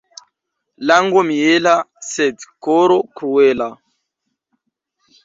Lango miela, sed koro kruela.